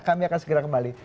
kami akan segera kembali